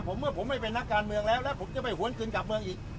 เมื่อผมไม่เป็นนักการเมืองแล้วแล้วผมจะไปหวนคืนกลับเมืองอีก